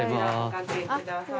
お掛けください。